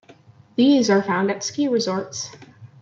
These are found at ski resorts.